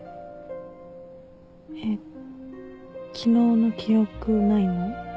えっ昨日の記憶ないの？